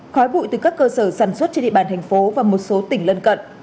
khói bụi từ các cơ sở sản xuất trên địa bàn thành phố và một số tỉnh lân cận